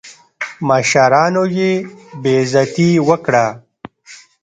مشرانو یې بېعزتي وکړه.